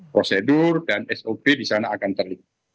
prosedur dan sop yang akan terlalu